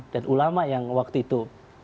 dan ulama yang waktu itu